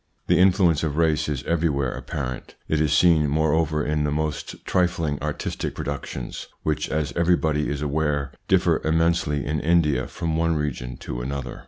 The influence of race is everywhere apparent. It is seen, moreover, in the most trifling artistic productions, which, as everybody is aware, differ immensely in India from one region to another.